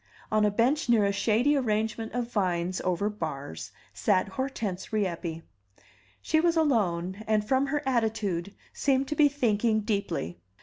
On a bench near a shady arrangement of vines over bars sat Hortense Rieppe. She was alone, and, from her attitude, seemed to be thinking deeply.